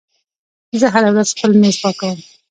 زه هره ورځ خپل میز پاکوم.